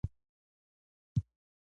دا کار سمدستي او ژر وشو.